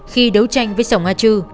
khi đấu tranh với sông ai chư